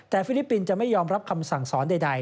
แต่ฟิลิปปินส์จะไม่ยอมรับคำสั่งสอนใด